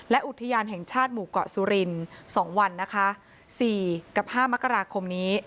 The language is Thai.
และอุทยานแห่งชาติหมู่เกาะสุริน๒วันนะคะ๔กับ๕มกราคมนี้